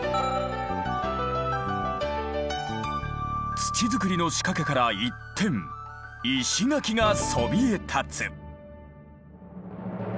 土づくりの仕掛けから一転石垣がそびえ立つ。